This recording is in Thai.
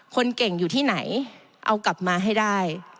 คนเก่งอยู่ที่ไหนเอากลับมาให้ได้